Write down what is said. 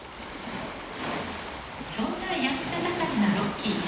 そんなやんちゃ盛りなロッキー。